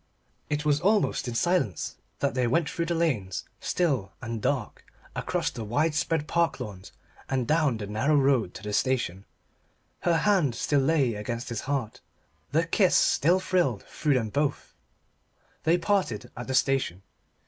It was almost in silence that they went through lanes still and dark, across the widespread park lawns and down the narrow road to the station. Her hand still lay against his heart. The kiss still thrilled through them both. They parted at the station.